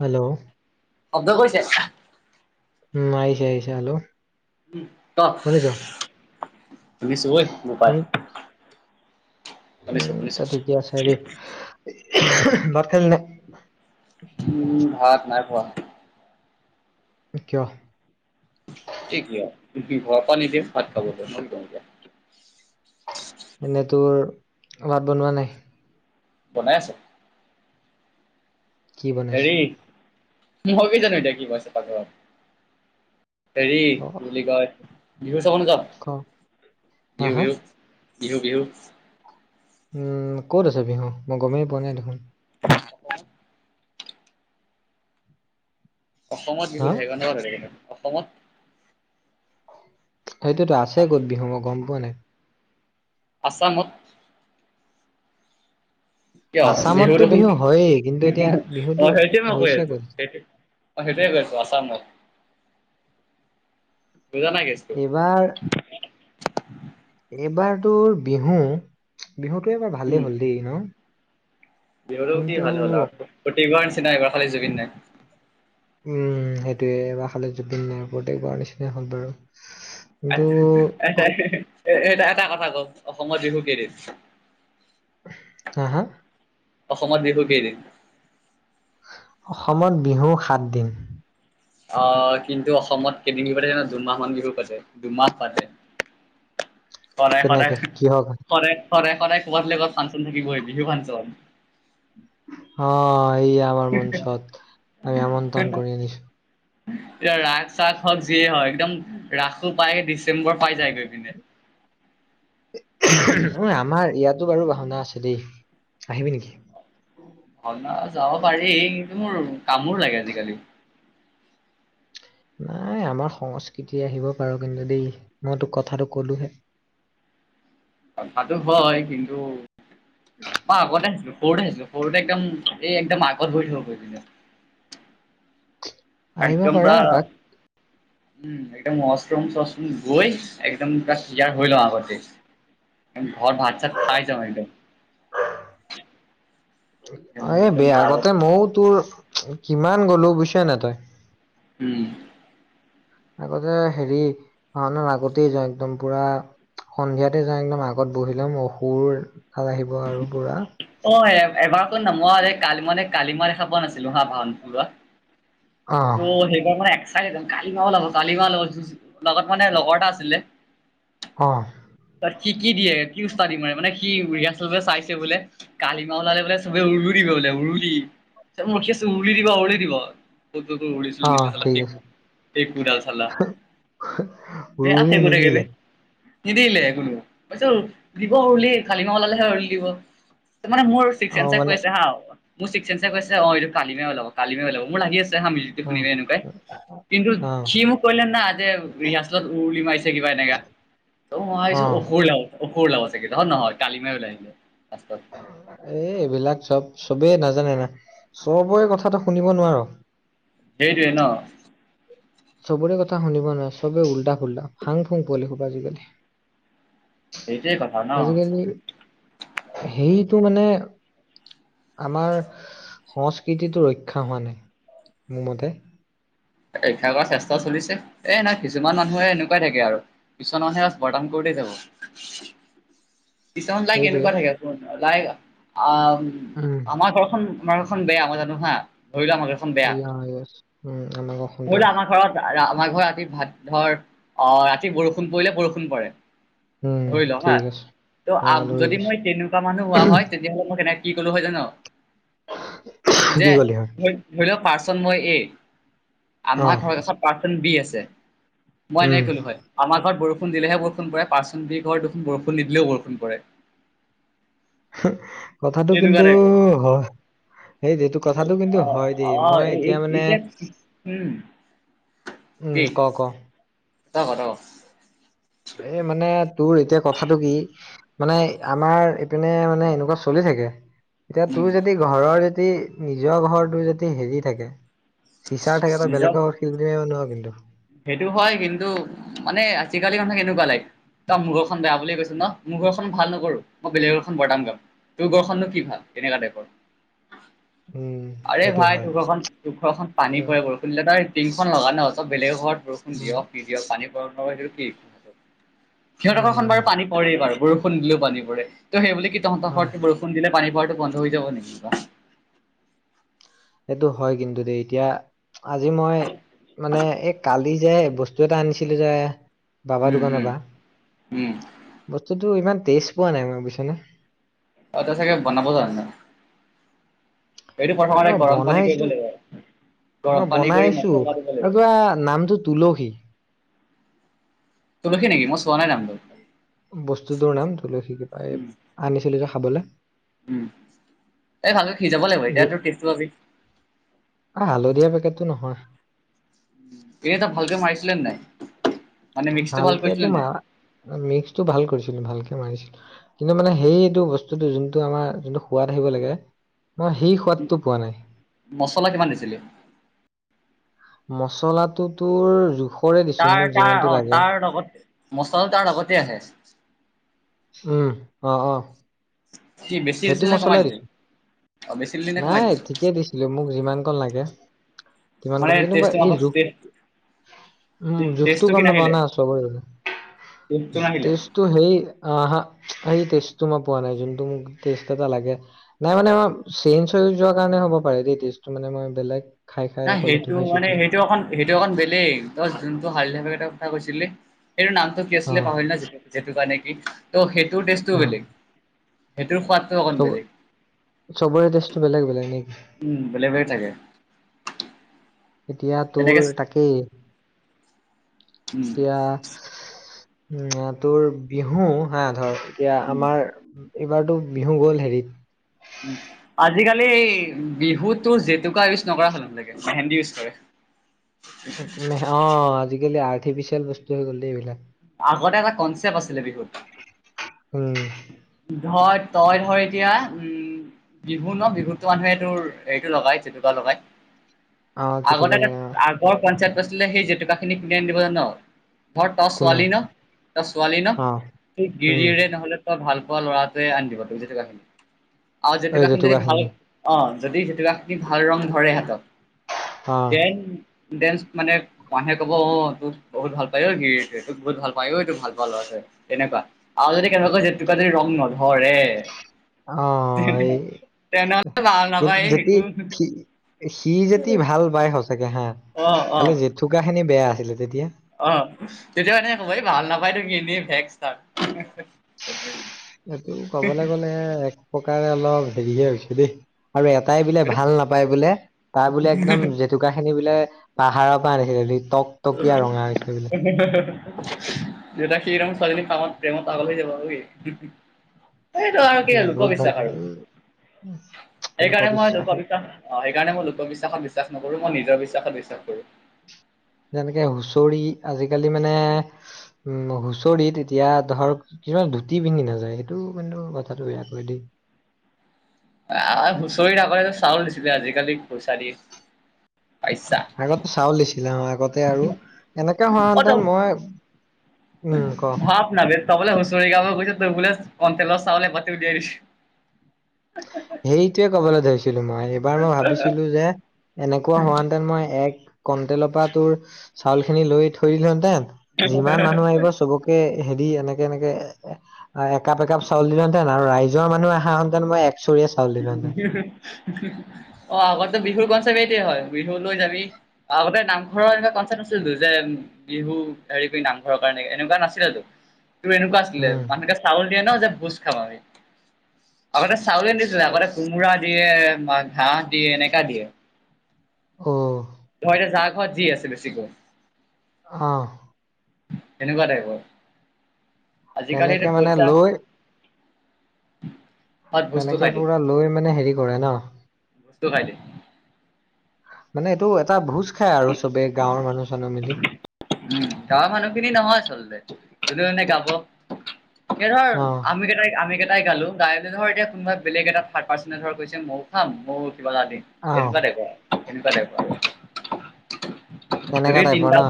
Hello শব্দ গৈছে উম আহিছে আহিছে হেল্ল ক শুনিছ গৈছো ঐ নেপাল শুনি উম ঠিকে আছে হেৰি ভাত খালি নাই উম ভাত নাই খোৱা কিয় ঘৰ পৰা পানীদিয়ে ভাত খাব হলতো এনেই তোৰ ভাত বনোৱা নাই বনাই ছো কি বনাইছে ম কি জানো এতিয়া কি কৈছে [unintelligible] অ হেৰি কয় বিহু অন কৰ ক হা বিহু হা বিহু বিহু বিহু উম ক'ত আছে বিহু মই গমেই পোৱা নাই দেখোন অসমত বিহু হা এবছৰ হৈ থাকে অসমত সেইটোতো আছে ক'ত বিহু মই গম পোৱা নাই আসামত কিয় বিহু আছামততো দেখোন হয়েই কিন্তু হুম এতিয়া হুমঅ বিহুটো সেইটোৱে মই কৈ হৈছে আছো ক'ত সেইটো অ সেইটেই কৈআছো আছামত বুজা নাই কেছটো এইবাৰ এইবাৰ তোৰ বিহু বিহুতটো এবাৰ ভালেই হ'ল দেই ন। বিহুৰও কি কিন্তু ভাল হ'ল আৰু প্ৰত্যোক বাৰ নিচিনা এইবাৰ খালী জুবিন নাই উম সেইটোয়ে এবাৰ খালে জুবিন নাই প্ৰত্যোক বাৰ নিচিনা বাৰু কিন্তু এট এট এটা এটা কথা ক' অসমত বিহু কেইদিন হা, হা। অসমত বিহু কেইদিন? সাতদিন। আহ' কিন্তু অসমত কেইদিন বিহু পাতে ন দুমাহ মমান বিহু পাতে দুমাহ পাতে। [unintelligible] সদায় সদায় কেনেকে কিহৰ কাৰণে সদায় কবাত লগত ফাংচন থাকিবই বিহু ফাংচন। অ'এই আমাৰ মঞ্চত আমি আমন্ত্ৰণ কৰি আনিছো এতিয়া ৰাস-চাগ হওঁক যিয়ে হয় একদম ৰাসো পাইে দিছে। ডিচেম্বৰ পাই যায় গৈ এইপিনে হু টো বাৰু ভাওনা আছে দেই আহিবি নেকি? ভাওনা যাব পাৰি। কিন্তু, মোৰ কামোৰ লাগে আজিকালি। নাই আমাৰ সংস্কৃতি আহিব পাৰো কিন্তু দেই মইতোক কথাটো কলোহে। [inaudible] কথাটো হয়, কিন্তু মই আগতে আছিলো। সৰুতে আহিছিলো। সৰুতে একদম এই একদম আগত বহি থাকো গৈ পিনে। আহিব একদম পাৰ পোৰা, এপাক উম' একদম উৱছৰুম চোৱছৰুম গৈ এক একদম পৰা ক্লিয়াৰ হৈ লওঁ আগতে। ঘৰত ভাত চাত খাই যাওঁ একদম। [unintelligible] একদম এই বে একদম আগতে মইও তোৰ কিমান গলো বুইছ নে তই। উম। আগতে হেৰি মানুহৰ আগতেই যাওঁ একদম পুৰা সন্ধিয়াতে যাওঁ একদম আগত বহি লম, অসুৰ তাত আহিব আৰু পুৰা অ' এবাৰ শুন না মই কালি মানে কালি মা দেখা পোৱা নাছিলো হা ভাওনাত উলোৱা। ত' সেইবাৰ মই এক কালিমা উলাব, কালিমা উলাব, লগত মানে লগৰ এটা আছিলে। অ। তাত সি কি দিয়ে, কি উস্তাদি মাৰে মানে সি ৰিহাচল বুলে চাইছে বোলে, কালিমা ওলালে বোলে চবে উৰুলো দিব। উৰুলি। ৰখি আছো উৰুলি দিব উৰুলি দিব। একো ছেকো ওৰুলি অ চুৰুলি নিদিলে চাল্লা, ঠিক আছে একোদাল চাল্লা। উৰুলি নিদিলে? নিদিলে কোনো, পিছত দিব উৰুলি। কালিমা ওলালেহে উৰুলি দিব। মানে মোৰ অ চিকচেঞ্জে কৈ মানে আছে হা, মোৰ চিক চেঞ্জে কৈছে, অ এইটো কালিমায়ে ওলাব কালিমায়ে ওলাব, মোৰ লাগি আছে। তাহা মিউজিকটো অ শুনিলে এনেকুৱাই। কিন্তু অ সি মোক কলে না আজ ৰিহাৰ্চেলত উৰুলি মাৰিছে কিবা এনেকা। ত মই অ ভাবিছো অসুৰ ওলাব -অসুৰ ওলাব চাগে। অ নহয় কালিমায়ে ওলাই আহিলে। লাষ্টত এ' এইবিলাক চব চবেই নাজান নে না। চবৰে কথাটো শুনিব নোৱাৰ। সেইটোৱে ন। চবৰে কথা শুনিব নোৱাৰে। চবেই উল্টা-ফুল্টা, ফাং ফুং পোৱালি হোপা আজিকালি। সেইটোৱে কথা ন আজিকালি, সেইটো মানে। আমাৰ সংস্কৃতিটো ৰক্ষা হোৱা নাই, মোৰ মতে। পৰীক্ষা কৰাৰ চেষ্টাও চলিছে। এ নাই কিছুমান মানুহে এনেকুৱাই থাকে আৰু, কিছুমান মানুহে বৰ্তমান কৰি যাব। [inaudible] কিছুমান লাইক সেইটোৱে এনেকুৱা থাকে চোন লাইক আহ উম আমাৰ ঘৰখন তোমাৰ এখন বেয়া মই জানো হা। ধৰি লোৱা আমাৰ য়া ইএছ উম আমাক ধৰিলেও আমাৰ ঘৰত আমাৰ ঘৰত ৰাতি ভাত ধৰ আহ ৰাতি বৰষুণ পৰিলে বৰষুণ পৰে। উম ধৰি লওঁ হা। ঠিক আছে আহ ত' ধৰি যদি লৈছো মই তেনেকুৱা মানুহ হোৱা হয় তেতিয়া হ'লে মই কেনেক কি কলো হয় জান', কি যে কলি হয় ধৰি লওক পাৰ্চন মই এ অ আমাৰ ঘৰৰ চব‌ পাৰ্চন বি আছে, মই উম এনেকে কলো হয়। আমাৰ ঘৰত বৰষুণ বৰষণ দিলেহে বৰষুণ পৰে। পাৰ্চন বিৰ ঘৰত দেখোন বৰষুণ নিদিলেও বৰষুণ পৰে। কথাটো কিন্তু এনেকুৱা টাইপৰ হয়। সেই এইটো কথাটো কিন্তু অ হয় দেই। অ মই এ এতিয়া মানে [unintelligible] উম ক ক। তই ক, তই ক। এই মানে তোৰ এতিয়া কথাটো কি মানে আমাৰ ইপিনে মানে এনেকুৱা চলি থাকে। এতিয়া উম তোৰ যদি ঘৰৰ যদি নিজৰ ঘৰতোৰ যদি হেৰি থাকে চিচাৰ থাকে তই নিজৰ বেলেগৰ ঘৰত শিলগুটি মাৰিব নোৱাৰ কিন্তু। সেইটো হয়। কিন্তু মানে আজিকালি মানুহ কেনেকুৱা লাইক তই মোৰ ঘৰখন বেয়া বুলি কৈছ ন? মোৰ ঘৰখন ভাল নকৰো, মই বেলেগৰ ঘৰখন বৰদাম গাম। তোৰ ঘৰখননো কি ভাল? এনেকুৱা টাইপৰ। উম আৰে সেইটো ভাই হয় তোৰ ঘৰখন, তোৰ ঘৰখন পানী পৰে বৰষুণ দিলে, তই টিংখন লগা ন? ত' বেলেগৰ ঘৰত বৰষুণ উম দিয়ক নিদিয়ক পানী পৰক নপৰক সেইটো কি সিহঁতৰ ঘৰখন উম বাৰু পানী পৰেই বাৰু। বৰষুণ দিলেও পানী পৰে। ত' সেইবুলি কি অ তহঁতৰ ঘৰত বৰষুণ দিলে পানী পৰাটো বন্ধ হৈ যাব নেকি কিবা। সেইটো হয় কিন্তু দেই। এতিয়া আজি মই মানে এই কাল লি যে বস্তু এটা আনিছিলো যে বাবা উম দোকানৰ উম পৰা। উম বস্তুটো ইমান টেষ্ট পোৱা নাই মই বুইছ নে? অ তই চাগে বনাব জনা নাই। এইটো নাই প্ৰথমতে মই গৰম পানী কৰিব বনাইছো লাগিব। গৰম মই পানী কৰি বনাইছো মছলা দিব লাগিব। আৰু কিবা নামটো তুলসী। তুলসী নেকি? মই চোৱা নাই নামটো। বস্তুটোৰ নাম তুলসী কিবা। এই উম, আনিছিলো যে খাবলে। উম, এই ভালকে সিজাব লাগিব এতিয়া তোৰ টেষ্টটো পাবি। হালধীয়া পেকেটটো নহয়। এনে তই ভালকৈ মাৰিছিলে নে নাই? মানে মিক্সটো ভাল কৰিছিলে ভালকেটো নে মা নাই? মিক্সটো ভাল কৰিছিলো। ভালকে মাৰিছিলো। কিন্তু মানে সেইটো বস্তুটো যোনটো আমাৰ যোনটো সোৱাদ আহিব লাগে মই সেই সোৱাদটো পোৱা নাই। মছলা কিমান দিছিলি? মচলাটো তোৰ জোখ তাৰ তাৰ অ তাৰ লগত মচলা তাৰ লগতে আহে। উম, অ-অ। কি বেছি হৈছিল নে কমাই দিলি? অ' বেছি দিলি নে কমাই নাই দিলি? ঠিকেই দিছিলো মোক যিমান কণ লাগে। কিমান মানে কণে কিন্তু বা টেষ্টটো এই লগত জোখ টেষ্ট উম জোখটো টেষ্টটো কি গম নাপাওঁ নাহিলে? না চবৰে। টেষ্টটো নাহিলে? টেষ্টটো সেই আহা, সেই টেষ্টটো মই পোৱা নাই যোনটো মোক টেষ্ট এটা লাগে। নাই মানে মই চেঞ্জ হৈ যোৱা কাৰণে হ'ব পাৰে দেই, টেষ্টটো মানে মই বেলেগ খাই খাই নাই অকল সেইটো মানে খাইছোতো সেইটো অকণ সেইটো অকণ বেলেগ। তই যোনটো হালধীয়া পেকেটৰ ৰ কথা কৈছিলি। সেইটো নামটো কি অ আছিলে, পাহৰিলো নহয়। জেটো জেতুকা নে কি, ত সেই টোৰ টেষ্টটো অ বেলেগ। সেইটোৰ সোৱাদটো অকণ চব বেলেগ চবৰে টেষ্টটো বেলেগ-বেলেগ নেকি? উম বেলেগ বেলেগ থাকে। এতিয়া তেনেকে তোৰ তাকেই। উম এতিয়া উ তোৰ বিহু, হা ধৰ এতিয়া উম আমাৰ এইবাৰতো বিহু গ'ল হেৰিত। উম আজিকালি এই বিহুতো জেতুকা ইউজ নকৰা হল বাপ্পেকে। মেহেন্দী ইউজ কৰে। অ আজি কালি আৰ্টিফিচিয়েল বস্তু হৈ গ'ল দেই এইবিলাক। আগতে এটা কনচেপট আছিলে বিহুত। উম। ধৰ, তই ধৰ এতিয়া, উম। বিহু ন বিহুতটো মানুহে এইটোৰ হেৰিটো লগাই জেতুকা লগায়। অ আগতে জেতুকা এটা লগা আগৰ কনচেপ্ট আছিলে সেই জেতুকা খিনি কোনে আনি দিব জান? ধৰ তই কোনে ছোৱালী ন? তই ছোৱালী ন? অ উম গিৰিয়েৰে নহ'লে তই ভাল পোৱা ল'ৰাটোৱে আনি দিব তোক জেতুকাখিনি আৰু জেতুকা খিনি যদি ভাল, অ। যদি জেতুকা খিনি ভাল ৰং ধৰে হাতত, অ দেন ডেন্স মানে মানুহে কব অ তোক বহুত ভাল পায় গিৰিয়েকে তোক বহুত ভাল পায় অ এই তোক ভাল পাৱা ল'ৰাটোৱে। তেনেকুৱা আৰু যদি কেনেবাক জেতুকা যদি ৰং নধৰে অ তেনেহ'লে ভাল এই নাপায় যদি একো সি যেদি ভাল বায় সচ চাগে হা, অ অ খালি জেতুকা খিনি বেয়া আছিলে তেতিয়া। অ তেতিয়া এনেকে ক'ব এই ভাল নাপায় তোক ইনে ভেকষ্টাৰ। এইটো কবলৈ গলে এক প্ৰকাৰে অলপ হেৰিয়ে হৈছে দেই। আৰু এটাই বোলে ভাল নাপায় বোলে, তাৰ বোলে একদম জেতুকা খিনি বোলে পাহাৰৰ পৰা আনিছিলে টকটকীয়া ৰঙা হৈছে বোলে। তেতিয়া সি একদম ছোৱালীজনী পাগল প্ৰেমত পাগল হৈ যাব ঐ, হি হি। সেইটো আৰু কি তেওঁ বহুত ভাল লোকবিশ্বাস আৰু পায়। উম, সেইকাৰণে মই লোকবিশ্বাস সেইকাৰণে মই লোকবিশ্বাসত বিশ্বাস নকৰো, মই নিজৰ বিশ্বাসত বিশ্বাস কৰো। তেনেকে হুচৰি আজিকালি মানে উম হুচৰিত এতিয়া ধৰক কিমান গুটি পিন্ধি নাযায় সেইটো কিন্তু কথাটো বেয়া কৰে দেই। আমাৰ হুঁচৰিত আকৌ চাউল দিছিলে আজিকালি পুচাৰী। আগতে চাউল দিছিলা অ আগতে আৰু এনেকে হোৱাহেতেন মই উম ক ভাপ না বে ত বোলে হুচৰি গাব গৈছ তোক বোলে কণ্ট্ৰলৰ চাউল এবাতি উলিয়াই দিছে। সেইটোয়ে কবলৈ ধৰিছ ছিলো মই এইবাৰ মই ভাবিছিলো যে এনেকুৱা হোৱাহেতেন মই এক কণ্ট্ৰলৰ পৰা তোৰ চাউলখিনি লৈ থৈ দিলোহেতেন যিমান মানুহ আহিব চবকে হেৰি এনেকে এনেকে একাপ একাপ চাউল দিলহেতেন আৰু ৰাইজৰ মানুহে আহা হেতেন মই এ হি হি হি হি হি, অ আগতো বিহুৰ কন্সেপ এইটোৱে হয় বিহু লৈ যাবি আগতে নামঘৰৰ এনেকুৱা কনচেপ্ট নাছিলো যে বিহু হেৰি কৰি নামঘৰৰ কাৰণে এনেকুৱা নাছিলেতো। তোৰ এনেকুৱা আছিলে উম মানুহকে চাউল দিয়ে ন যে ভোজ খাম আমি, আগতে চাউলে নি আগতে কোমোৰা দিয়ে, ঘাঁহ দিয়ে এনেকা দিয়ে। অ। ধৰ এতিয়া যা ঘৰত যি আছে বেছিকৈ। অহ। সেনেকুৱা টাইপৰ, আজিকালিটো তেনেকে মানে পইচা লৈ [inaudible] তেনেকে খাই দিয়ে পুৰা লৈ মানে হেৰি কৰে ন। বস্তু খাই দিম। মানে এইটো এটা ভোজ খাই আৰু চবে গাঁৱৰ উম, মানুহ চানুহ মিলি গাঁৱৰ মানুহখিনি নহয় আচলতে। যোনে যোনে গাব এ ধৰ অ আমি কেইটাই আমি কেইটাই গালো, গাই মিনি ধৰ কোনোবা বেলেগ এটা থাৰ্ত পাৰ্চেনে কৈছে মইও খাম, মইও বলাদিন, আহ এনেকুৱা টাইপৰ এনেকুৱা টাইপৰ। তেনেকা যদি টাইপৰ ন তিনিটাও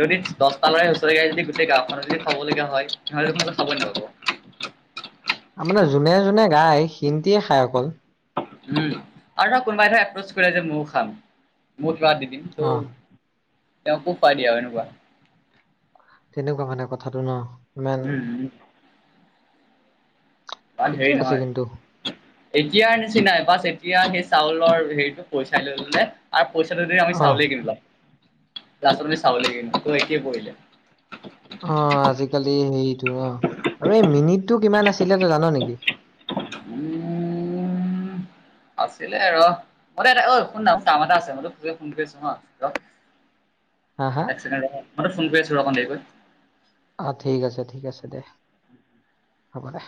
যদি দচটালই হুঁচৰি গাই যদি গোটেই গাঁওখনত যদি খাবলগীয়া হয়, তেনেহলে দেখুন খাবই নাপাব। আ মানে যোনে যোনে গাই শিনটিয়ে খায় অকল। উম, আৰু ধৰ কোনোবাই ধৰ এপ্ৰচ কৰে যে মইও খাম। মইও পৰা দি দিম ত অ তেওঁকো খুৱাইদিয়া হয় সেনেকুৱা। তেনেকুৱা মানে কথাটো ন। ইমান উম উম। বা ঠিকে হেৰি আছে নহয়, কিন্তু এতিয়াৰ নিচিনাই বাছ এতিয়া সেই চাউল চৰ হেৰিটো পইচাই লৈ ললে আৰু পইচাটো দি আমি অ চাউলে কিনি লওঁ। লাষ্টত আমি চাউলে কিনি লম আকৌ একে পৰিলে। অ আজিকালি হেৰিতো অ, আৰু এই মিনিটটো কিমান আছিলে ত জান নেকি? [inaudible] উম আছিলে ৰ মই দে অঐ শুন নাম কাম এটা আছে মই তো পজে ফোন কৰিছো হ ৰ। হা হা এক সেকেন ৰ মই তোক ফোন কৰি আছো অকণ দেৰিকৈ। আহ ঠিক আছে ঠিক আছে দে হ'ব দে।